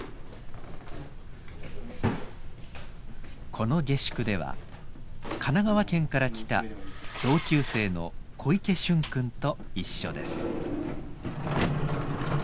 この下宿では神奈川県から来た同級生の小池隼君と一緒です。